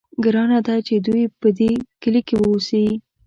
ګرانه ده چې دوی په دې کلي کې واوسي.